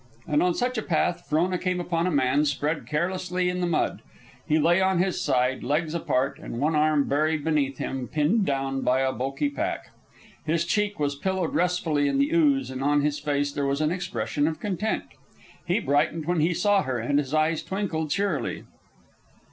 And on such a path Frona came upon a man spread carelessly in the mud. He lay on his side, legs apart and one arm buried beneath him, pinned down by a bulky pack. His cheek was pillowed restfully in the ooze, and on his face there was an expression of content. He brightened when he saw her, and his eyes twinkled cheerily.